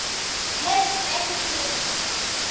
respectivo